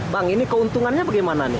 bang ini keuntungannya bagaimana nih